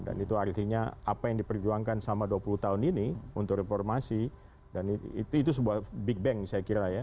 dan itu artinya apa yang diperjuangkan selama dua puluh tahun ini untuk reformasi dan itu sebuah big bang saya kira ya